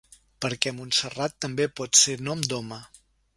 Perquè Montserrat també pot ser nom d'home.